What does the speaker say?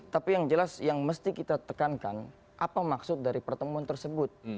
tapi yang jelas yang mesti kita tekankan apa maksud dari pertemuan tersebut